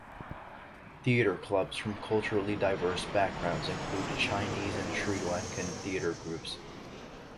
Theatre clubs from culturally diverse backgrounds include Chinese and Sri Lankan theatre groups.